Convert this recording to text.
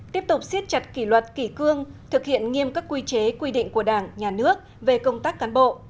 tiếp tục xiết chặt kỷ luật kỷ cương thực hiện nghiêm các quy chế quy định của đảng nhà nước về công tác cán bộ